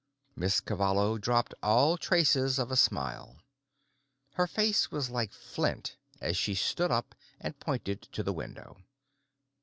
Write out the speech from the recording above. Miss Cavallo dropped all traces of a smile. Her face was like flint as she stood up and pointed to the window.